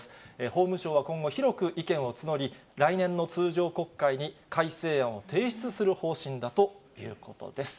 法務省は今後、広く意見を募り、来年の通常国会に改正案を提出する方針だということです。